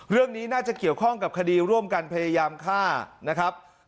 เรื่องนี้น่าจะเกี่ยวข้องกับคดีร่วมกันพยายามฆ่านะครับ